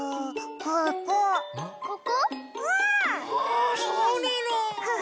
あそうなの！